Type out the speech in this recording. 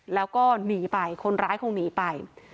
แล้วก็หนีไปคนร้ายคงหนีไป